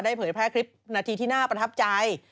เผยแพร่คลิปนาทีที่น่าประทับใจ